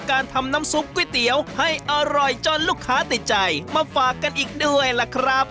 การทำน้ำซุปก๋วยเตี๋ยวให้อร่อยจนลูกค้าติดใจมาฝากกันอีกด้วยล่ะครับ